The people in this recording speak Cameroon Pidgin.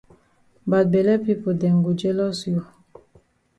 Bad bele pipo dem go jealous you.